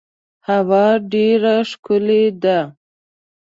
هوا ډیره ښکلې ده .